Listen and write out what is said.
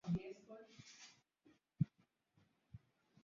Yanayotokea kanda ya Afrika Mashariki na Kati, katika kila nyanja ya habari